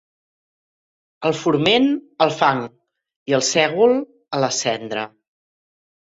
El forment al fang i el sègol a la cendra.